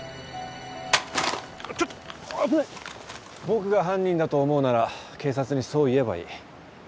僕が犯人だと思うなら警察にそう言えばいい。